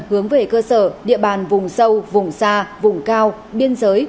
hướng về cơ sở địa bàn vùng sâu vùng xa vùng cao biên giới